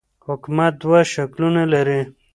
حکومت دوه شکلونه لري.